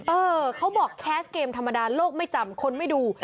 เออเขาบอกแคสเกมธรรมดาโลกไม่จำคนไม่ดู